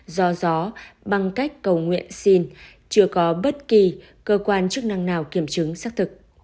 do gió bằng cách cầu nguyện xin chưa có bất kỳ cơ quan chức năng nào kiểm chứng xác thực